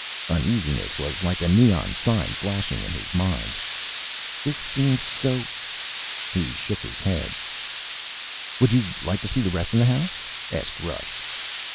Uneasiness was like a neon sign flashing in his mind. "This seems so ..." He shook his head. "Would you like to see the rest of the house?" asked Rush.